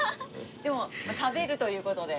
でも食べるという事で。